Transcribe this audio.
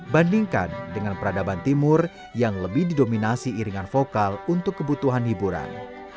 bandingkan dengan peradaban timur yang lebih didominasi iringan vokal untuk kebutuhan hiburan